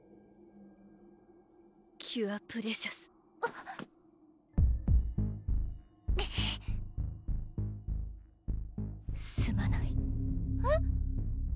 キュアプレシャスすまないえっ？